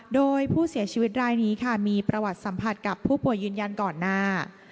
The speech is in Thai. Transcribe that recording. โดยผู้เสียชีวิตรายนี้ค่ะมีประวัติสัมผัสกับผู้ป่วยยืนยันก่อนหน้า